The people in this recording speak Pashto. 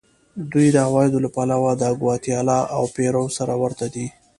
دوی د عوایدو له پلوه د ګواتیلا او پیرو سره ورته دي.